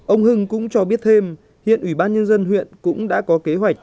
ông hưng cũng cho biết thêm hiện ủy ban nhân dân huyện cũng đã có kế hoạch